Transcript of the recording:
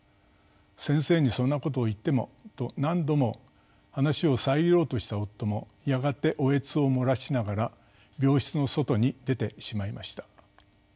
「先生にそんなことを言っても」と何度も話を遮ろうとした夫もやがておえつを漏らしながら病室の外に出てしまいました。